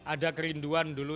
ada kerinduan dulu